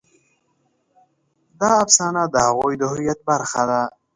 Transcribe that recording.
دا افسانه د هغوی د هویت برخه ده.